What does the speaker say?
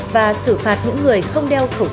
và xử phạt những người không đeo khẩu trang